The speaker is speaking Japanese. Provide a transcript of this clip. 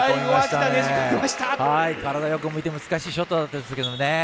体をねじ込んで難しいショットだったんですけどね。